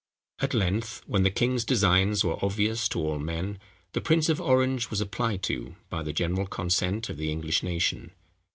At length, when the king's designs were obvious to all men, the prince of Orange was applied to by the general consent of the English nation.